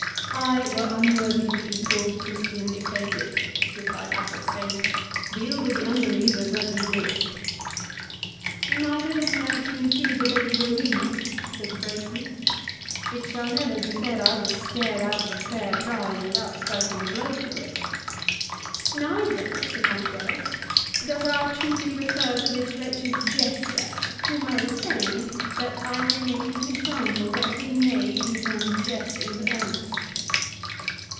"I were unworthy to be called Christian, if they did," replied Athelstane: "deal with the unbelievers as ye list." "Neither does the ransom include the Lady Rowena," said De Bracy. "It shall never be said I was scared out of a fair prize without striking a blow for it." "Neither," said Front de Bœuf, "does our treaty refer to this wretched Jester, whom I retain, that I may make him an example to every knave who turns jest into earnest."